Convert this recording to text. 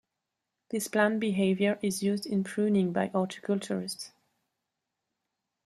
This plant behavior is used in pruning by horticulturists.